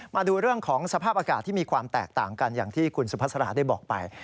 อย่างที่คุณสุพธิษฐราได้บอกไป